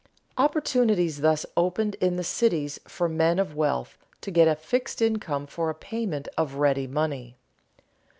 Opportunities thus opened in the cities for men of wealth to get a fixed income for a payment of ready money.